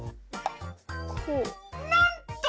なんと！